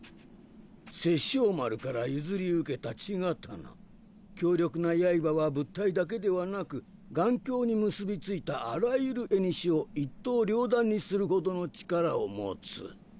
殺生丸から譲り受けた血刀強力な刃は物体だけではなく頑強に結びついたあらゆる縁を一刀両断にするほどの力を持つ。